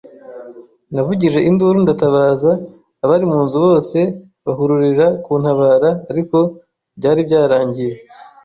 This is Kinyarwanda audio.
Navugije induru ndatabaza, abari mu nzu bose bahururira kuntabara ariko byari byarangiye.